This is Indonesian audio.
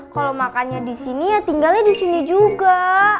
kalau makannya disini ya tinggalnya disini juga